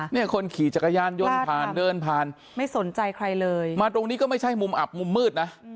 เนี่ยคนขี่จักรยานยนต์ผ่านเดินผ่านไม่สนใจใครเลยมาตรงนี้ก็ไม่ใช่มุมอับมุมมืดนะ